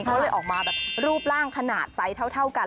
เขาเลยออกมาแบบรูปร่างขนาดไซส์เท่ากัน